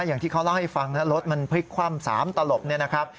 อย่างที่เขาเล่าให้ฟังนะรถมันพลิกคว่ำ๓ตลบเนี่ยนะครับ